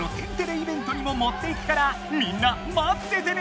イベントにももっていくからみんなまっててね！